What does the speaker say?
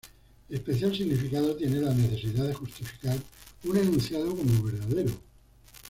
Especial significado tiene la necesidad de justificar un enunciado como verdadero.